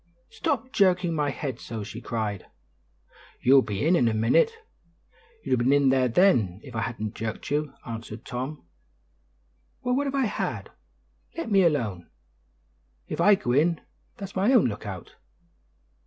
"Stop jerking my head so," she cried. "You'll be in, in a minute; you'd have been in then if I hadn't jerked you," answered Tom. "Well, what if I had! Let me alone. If I go in, that's my own lookout."